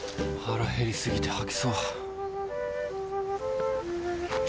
腹減りすぎて吐きそう。